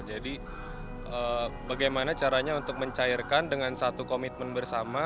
jadi bagaimana caranya untuk mencairkan dengan satu komitmen bersama